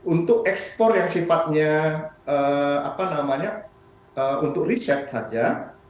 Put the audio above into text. untuk ekspor yang sifatnya apa namanya untuk riset saja